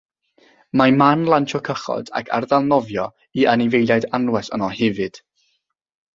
Mae man lansio cychod ac ardal nofio i anifeiliaid anwes yno hefyd.